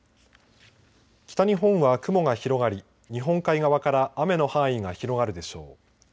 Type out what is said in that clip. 北日本は雲が広がり日本海側から雨の範囲が広がるでしょう。